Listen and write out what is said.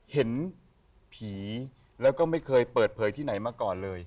เห็นผีแล้วก็ไม่เคยเปิดเผยที่ไหนมาก่อนเลย